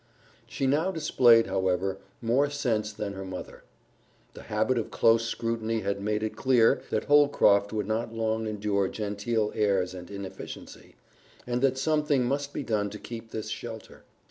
She now displayed, however, more sense than her mother. The habit of close scrutiny had made it clear that Holcroft would not long endure genteel airs and inefficiency, and that something must be done to keep this shelter.